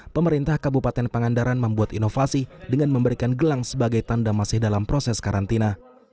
pemerintah kabupaten pangandaran membuat inovasi dengan memberikan gelang sebagai tanda masih dalam proses karantina